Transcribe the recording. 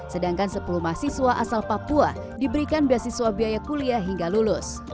sedangkan sepuluh mahasiswa asal papua diberikan beasiswa biaya kuliah hingga lulus